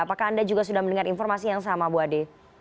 apakah anda juga sudah mendengar informasi yang sama bu ade